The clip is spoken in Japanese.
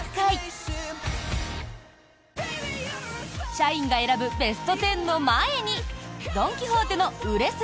社員が選ぶベスト１０の前にドン・キホーテの売れ筋